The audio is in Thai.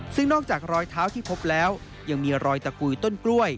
ซึ่งนอกจากรอยเท้าที่พบแล้วยังมีรอยตะกุยต้นกล้วย